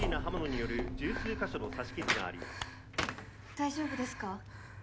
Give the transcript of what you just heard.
大丈夫ですか？